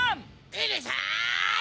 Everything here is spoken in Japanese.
うるさい！